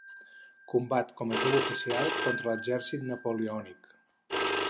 Combat com a jove oficial contra l'exèrcit napoleònic.